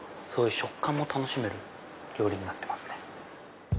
そういう食感も楽しめる料理になってますね。